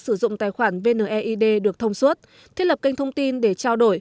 sử dụng tài khoản vne id được thông suốt thiết lập kênh thông tin để trao đổi